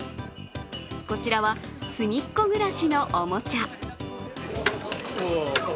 こちらはすみっコぐらしのおもちゃ。